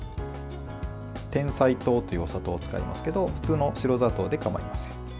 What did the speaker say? てんさい糖というお砂糖を使いますけど普通の白砂糖でかまいません。